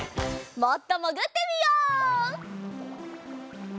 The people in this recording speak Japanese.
もっともぐってみよう！